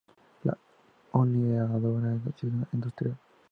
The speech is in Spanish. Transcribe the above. Hunedoara es una ciudad industrial.